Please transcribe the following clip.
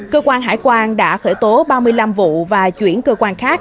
cơ quan hải quan đã khởi tố ba mươi năm vụ và chuyển cơ quan khác